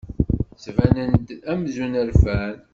Ttbanen-d amzun rfan.